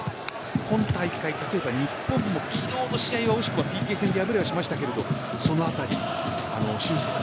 今大会、例えば日本も昨日の試合は惜しくもＰＫで敗れましたがその辺り、俊輔さん